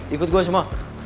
ikut gua semua